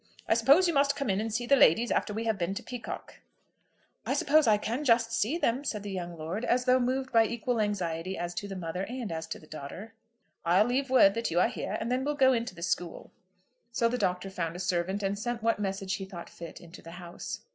I suppose you must come in and see the ladies after we have been to Peacocke?" "I suppose I can just see them," said the young lord, as though moved by equal anxiety as to the mother and as to the daughter. "I'll leave word that you are here, and then we'll go into the school." So the Doctor found a servant, and sent what message he thought fit into the house.